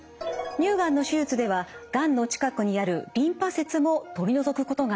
乳がんの手術ではがんの近くにあるリンパ節も取り除くことがあります。